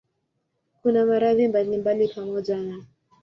Kuna maradhi mbalimbali pamoja na